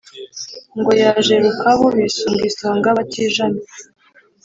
ngo yaje rukabu bisunga isonga batijana.